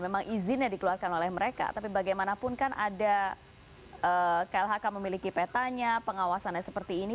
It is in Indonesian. memang izinnya dikeluarkan oleh mereka tapi bagaimanapun kan ada klhk memiliki petanya pengawasannya seperti ini